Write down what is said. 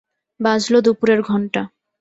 বাজল দুপুরের ঘণ্টা।